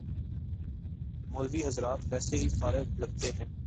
مولوی حضرات ویسے ہی فارغ لگتے ہیں۔